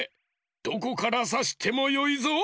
どこからさしてもよいぞ。